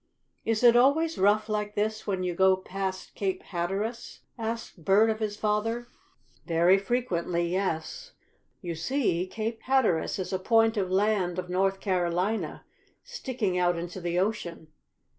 "Is it always rough like this when you go past Cape Hatteras?" asked Bert of his father. "Very frequently, yes. You see Cape Hatteras is a point of land of North Carolina, sticking out into the ocean.